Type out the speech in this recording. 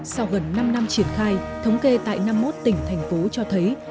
sau gần năm năm triển khai thống kê tại năm mốt tỉnh thành phố cho thấy